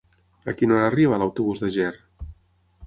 A quina hora arriba l'autobús de Ger?